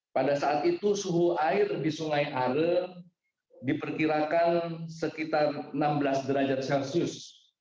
pada saat itu suhu air di sungai are diperkirakan sekitar enam belas derajat celcius